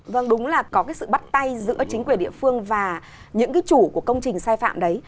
vâng đúng là có cái sự bắt tay giữa chính quyền địa phương và những cái chủ của công trình sai phạm đấy